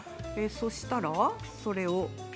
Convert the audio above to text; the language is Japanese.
そしたらそれを？